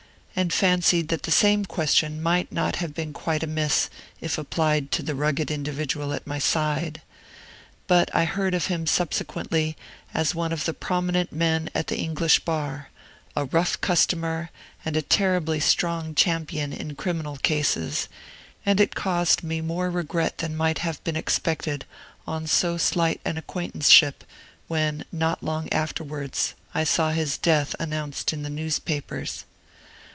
and fancied that the same question might not have been quite amiss, if applied to the rugged individual at my side. But I heard of him subsequently as one of the prominent men at the English bar, a rough customer, and a terribly strong champion in criminal cases; and it caused me more regret than might have been expected, on so slight an acquaintanceship, when, not long afterwards, I saw his death announced in the newspapers.